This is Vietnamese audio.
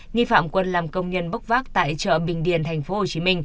nghi phạm quân làm công nhân bốc vác tại chợ bình điền tp hcm